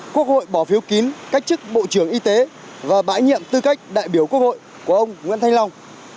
quốc hội bỏ phiếu kín cách chức bộ trưởng y tế và bãi nhiệm tư cách đại biểu quốc hội của ông nguyễn thanh long